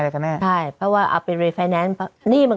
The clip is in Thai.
ใช่เพราะว่าเขาเอาไปรีไฟแนนซ์